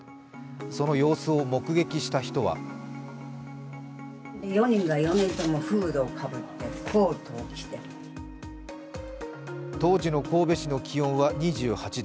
その様子を目撃した人は当時の神戸市の気温は２８度。